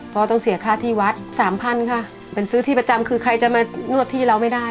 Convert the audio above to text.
เพราะต้องเสียค่าที่วัดสามพันค่ะเป็นซื้อที่ประจำคือใครจะมานวดที่เราไม่ได้